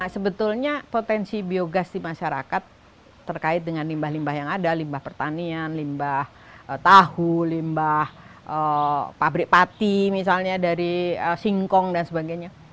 sebetulnya potensi biogas di masyarakat terkait dengan limbah limbah yang ada limbah pertanian limbah tahu limbah pabrik pati misalnya dari singkong dan sebagainya